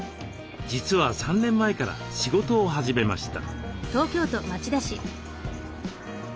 実は３年前から仕事を始めました。